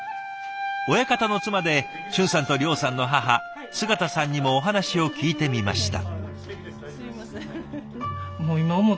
親方の妻で俊さんと諒さんの母姿さんにもお話を聞いてみました。